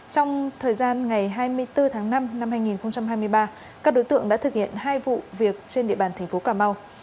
trong thời gian ngày hai mươi bốn tháng năm năm hai nghìn hai mươi ba các đối tượng đã thực hiện hai vụ việc trên địa bàn thành phố cà mau